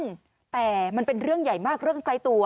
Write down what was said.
ซึ่งแต่มันเป็นเรื่องใหญ่มากเรื่องใกล้ตัว